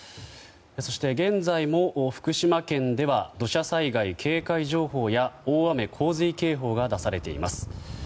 そして現在も福島県では土砂災害警戒情報や大雨・洪水警報が出されています。